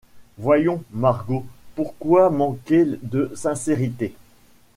Voyons, Margot, pourquoi manquer de sincérité ?